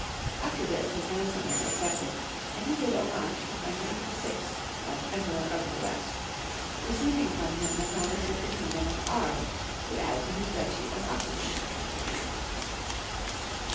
After this his ransom was accepted, and he did Heinrich VI. 161 homage to Heinrich VI. as Emperor of the West, receiving from him the promise of the kingdom of Aries to add to liis duchy of Aquitaine.